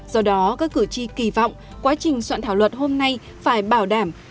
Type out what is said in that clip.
do đó các cử tri kỳ vọng quá trình soạn thảo luật hôm nay phải bảo đảm